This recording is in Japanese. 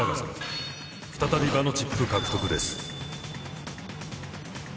再び場のチップ獲得です。